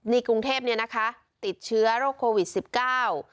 นี่กรุงเทพเนี่ยนะคะติดเชื้อโรคโควิดสิบเก้า